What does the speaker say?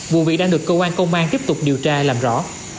vụ việc đang được cơ quan công an tiếp tục điều tra làm rõ